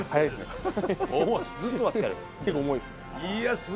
結構重いですよね。